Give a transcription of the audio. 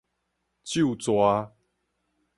咒誓